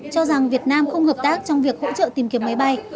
cho rằng việt nam không hợp tác trong việc hỗ trợ tìm kiếm máy bay